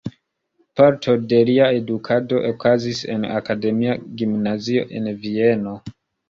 Parto de lia edukado okazis en Akademia Gimnazio en Vieno.